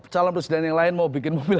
calon presiden yang lain mau bikin mobil